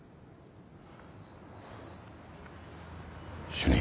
主任。